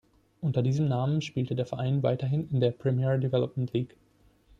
Unter diesem Namen spielte der Verein weiterhin in der Premier Development League.